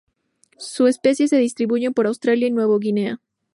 Sus especies se distribuyen por el Australia y Nueva Guinea.